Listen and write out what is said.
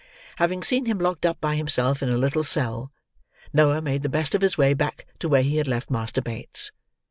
Having seen him locked up by himself in a little cell, Noah made the best of his way back to where he had left Master Bates.